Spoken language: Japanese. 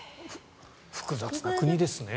複雑な国ですね。